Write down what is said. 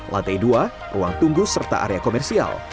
lantai dua ruang tunggu serta area komersial